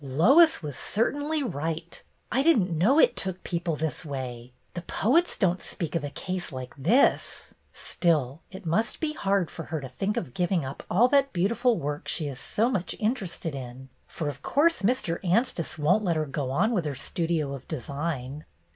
" Lois was certainly right ! I did n't know it took people this way. The poets don't speak of a case like this ! Still, it must be hard for her to think of giving up all that beautiful work she is so much interested in, for of course Mr. Anstice won't let her go on with her Studio of Design."